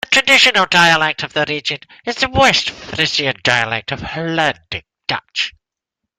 The traditional dialect of the region is the West Frisian dialect of Hollandic Dutch.